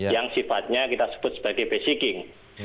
yang sifatnya kita sebut sebagai basiking